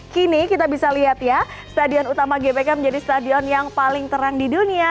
kini kita bisa lihat ya stadion utama gbk menjadi stadion yang paling terang di dunia